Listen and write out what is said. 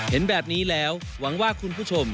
เห็นแบบนี้แล้วหวังว่าคุณผู้ชม